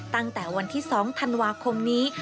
ตั้งแต่วันที่๒ธันวาคมนี้